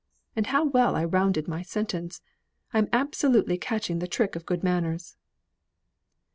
And how well I rounded my sentence! I'm absolutely catching the trick of good manners."